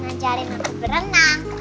dan ngajarin aku berenang